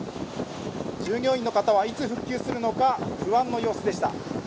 従業員の方はいつ復旧するのか不安の様子でした。